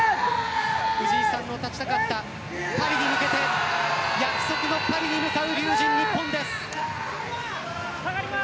藤井さんの勝ちたかったパリに向けて約束のパリに向かう龍神ＮＩＰＰＯＮです。